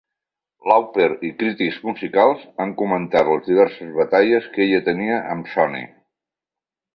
Lauper, i crítics musicals, han comentat les diverses batalles que ella tenia amb Sony.